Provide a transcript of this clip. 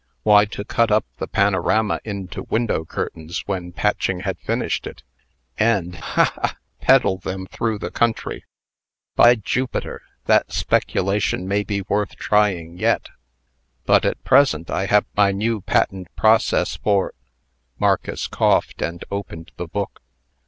"Why, to cut up the panorama into window curtains, when Patching had finished it, and ha! ha! peddle them through the country. By Jupiter! that speculation may be worth trying yet. But at present I have my new patent process for " Marcus coughed, and opened the book.